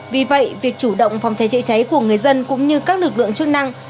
vì vậy việc chủ động phòng cháy chữa cháy của người dân cũng như các lực lượng chức năng